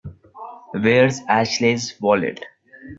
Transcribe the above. Where's Ashley's wallet?